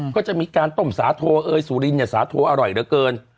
ก็จะมีการต้มสาโทสุรินสาโทอร่อยเหลือเกิน